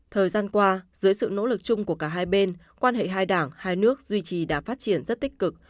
thời gian qua dưới sự nỗ lực chung của cả hai bên quan hệ hai đảng hai nước duy trì đã phát triển rất tích cực